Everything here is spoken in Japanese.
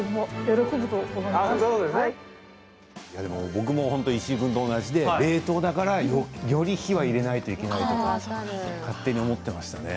僕も石井君と同じで冷凍だからより火は入れないといけないと勝手に思ってましたね。